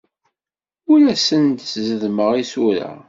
Ur asen-d-zeddmeɣ isura.